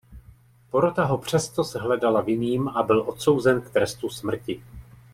Porota ho přes to shledala vinným a byl odsouzen k trestu smrti.